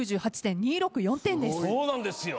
そうなんですよ。